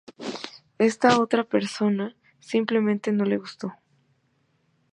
Esta otra persona simplemente no le gustó".